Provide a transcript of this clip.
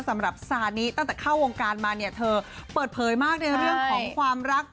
สำหรับซานิตั้งแต่เข้าวงการมาเนี่ยเธอเปิดเผยมากในเรื่องของความรัก